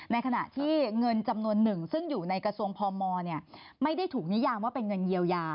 ในขณะที่เงินจำนวนหนึ่งซึ่งอยู่ในกระทรวงพมไม่ได้ถูกนิยามว่าเป็นเงินเยียวยา